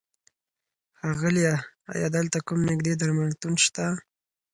ښاغيله! ايا دلته کوم نيږدې درملتون شته؟